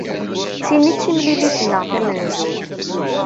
D tin i d timlilit-nneɣ tamenzut.